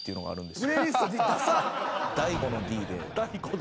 大悟の「Ｄ」で。